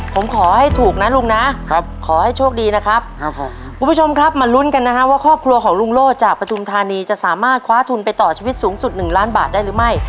ผมขอให้ถูกนะลุงนะครับขอให้โชคดีนะครับคุณผู้ชมครับมาลุ้นกันนะฮะว่าครอบครัวของลุงโล่จากปฐุมธานีจะสามารถคว้าทุนไปต่อชีวิตสูงสุดหนึ่งล้านบาทได้หรือไม่